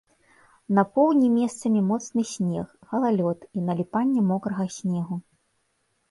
На поўдні месцамі моцны снег, галалёд і наліпанне мокрага снегу.